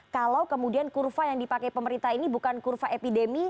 kalau kemudian kurva yang dipakai pemerintah ini bukan kurva epidemi